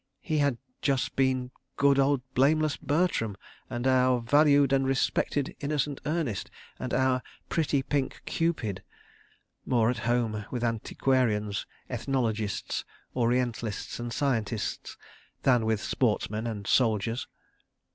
He had just been "good old Blameless Bertram" and "our valued and respected Innocent Ernest," and "our pretty pink Cupid"—more at home with antiquarians, ethnologists, Orientalists and scientists than with sportsmen and soldiers.